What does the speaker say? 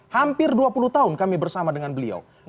hampir dua puluh tahun kami bersama dengan beliau